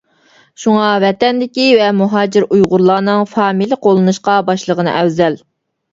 شۇڭا ۋەتەندىكى ۋە مۇھاجىر ئۇيغۇرلارنىڭ فامىلە قوللىنىشقا باشلىغىنى ئەۋزەل.